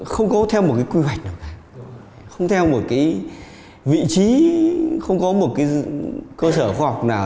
không có theo một quy hoạch không theo một vị trí không có một cơ sở khoa học nào